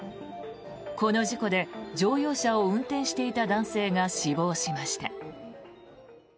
この事故で乗用車を運転していた男性が死亡しました。